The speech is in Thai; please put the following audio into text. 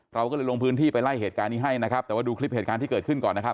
เราก็เลยลงพื้นที่ไปไล่เหตุการณ์นี้ให้นะครับแต่ว่าดูคลิปเหตุการณ์ที่เกิดขึ้นก่อนนะครับ